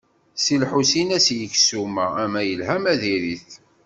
Si Lḥusin ad s-yeg ssuma, ama yelha ama diri-t.